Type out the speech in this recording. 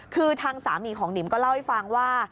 คือทางสามีของหนิมก็เล่าให้ฟังว่า